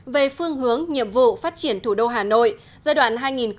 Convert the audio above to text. về phương hướng nhiệm vụ phát triển thủ đô hà nội giai đoạn hai nghìn hai mươi một hai nghìn hai mươi năm